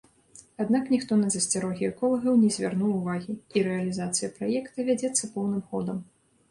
Аднак ніхто на засцярогі эколагаў не звярнуў увагі, і рэалізацыя праекта вядзецца поўным ходам.